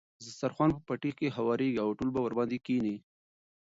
دسترخوان به په پټي کې هوارېږي او ټول به ورباندې کېني.